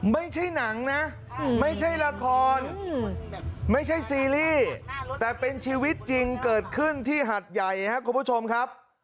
ไม่ใช่หนังนะไม่ใช่ละครไม่ใช่ซีรีส์แต่เป็นชีวิตจริงเกิดขึ้นที่หัดใหญ่ครับคุณผู้ชมครับ